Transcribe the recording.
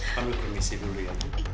kamu permisi dulu ya bu